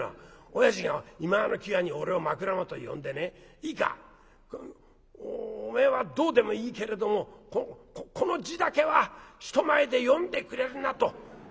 「おやじがいまわの際に俺を枕元へ呼んでね『いいかおめえはどうでもいいけれどもこの字だけは人前で読んでくれるな』と。